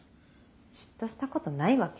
嫉妬したことないわけ？